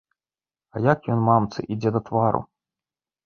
А як ён мамцы ідзе да твару!